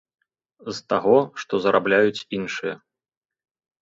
З таго, што зарабляюць іншыя.